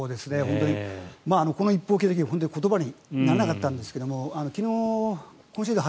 この一報を聞いて言葉にならなかったんですが昨日、今シーズン